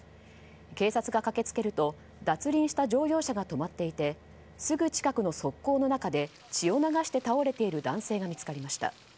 警察が駆けつけると、脱輪した乗用車が止まっていてすぐ近くの側溝の中で血を流して倒れている男性が見つかりました。